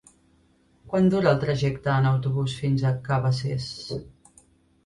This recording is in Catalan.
Quant dura el trajecte en autobús fins a Cabacés?